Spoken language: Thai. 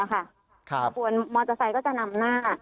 ขบวนมอเตอร์ไซค์ก็จะนำหน้า